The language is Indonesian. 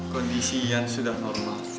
kondisi ian sudah normal